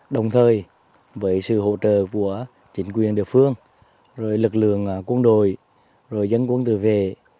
đồng thời với sự hỗ trợ của chính quyền địa phương lực lượng quân đội dân quân từ về